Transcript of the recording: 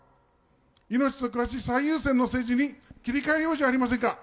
命と暮らし最優先の政治に切り替えようじゃありませんか。